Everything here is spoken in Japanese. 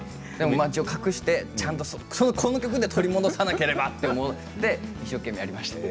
一応、隠してこの曲で取り戻さなければと思って一生懸命やりました。